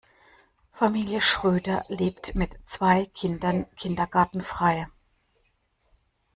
Familie Schröder lebt mit zwei Kindern kindergartenfrei.